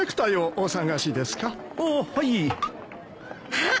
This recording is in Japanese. あっ！